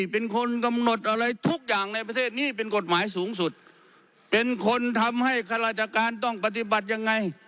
เป็นคนกำหนดอะไรทุกอย่างในประเทศนี้เป็นกฎหมายสูงสุดเป็นคนทำให้ข้าราชการต้องปฏิบัติยังไง